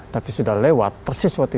tapi sudah lewat tersisa